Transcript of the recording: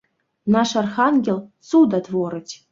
Наш архангел цуда творыць!